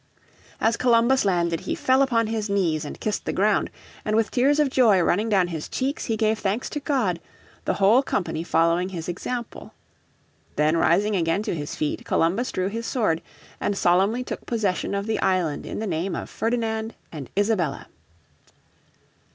As Columbus landed he fell upon his knees and kissed the ground, and with tears of joy running down his cheeks he gave thanks to God, the whole company following his example. Then rising again to his feet, Columbus drew his sword, and solemnly took possession of the island in the name of Ferdinand and Isabella.